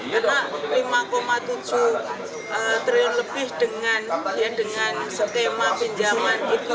karena lima tujuh triliun lebih dengan skema pinjaman itu